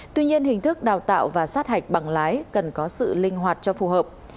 tuy nhiên hình thức đào tạo và sát hạch bằng lái cần có sự linh hoạt cho phù hợp